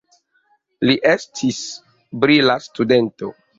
Li estis brila studento.